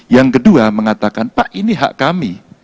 yang kedua mengatakan pak ini hak kami